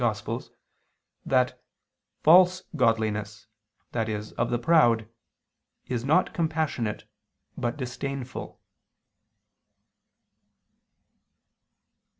xxxiv) that "false godliness," i.e. of the proud, "is not compassionate but disdainful."